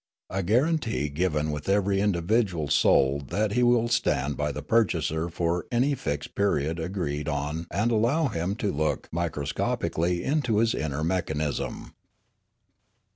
A guarantee given with every individual sold that he will stand by the purchaser for any fixed period agreed on and allow him to look microscopically into his inner mechanism.'